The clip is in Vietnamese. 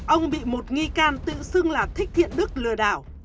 ông bị một nghi can tự xưng là thích thiện đức lừa đảo